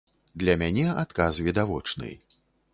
Для мяне адказ відавочны.